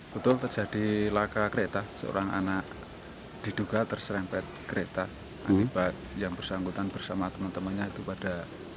betul terjadi laka kereta seorang anak diduga terserempet kereta akibat yang bersangkutan bersama teman temannya itu pada